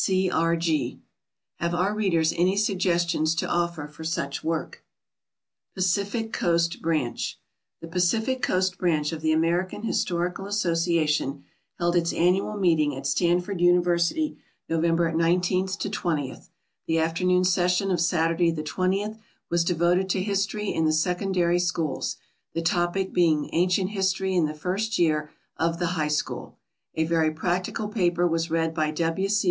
C. R. G. Have our readers any suggestions to offer for such work? PACIFIC COAST BRANCH. The Pacific Coast Branch of the American Historical Association held its annual meeting at Stanford University, November 19 20. The afternoon session of Saturday, the 20th, was devoted to History in the Secondary Schools, the topic being "Ancient History in the First Year of the High School." A very practical paper was read by W. C.